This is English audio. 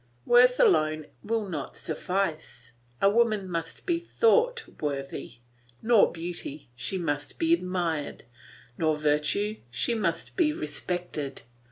Worth alone will not suffice, a woman must be thought worthy; nor beauty, she must be admired; nor virtue, she must be respected.